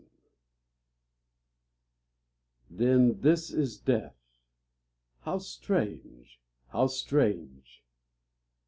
63 iHEX this is death — How strange, how strange